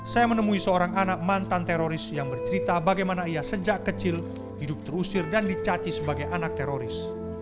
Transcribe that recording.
saya menemui seorang anak mantan teroris yang bercerita bagaimana ia sejak kecil hidup terusir dan dicaci sebagai anak teroris